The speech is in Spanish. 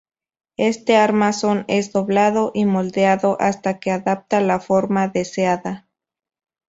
Este armazón es doblado y moldeado hasta que adapta la forma deseada.